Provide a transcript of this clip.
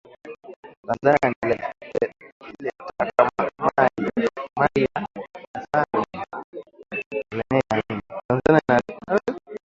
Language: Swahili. Tanzania inaletaka mayi ya dasani kalemie ya mingi